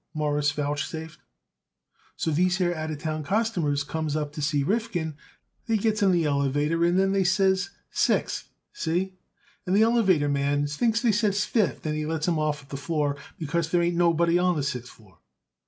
Morris vouchsafed. "So these here out of town customers comes up to see Rifkin. They gets in the elevator and they says 'Sixth,' see? And the elevator man thinks they says 'Fifth,' and he lets 'em off at our floor because there ain't nobody on the sixth floor.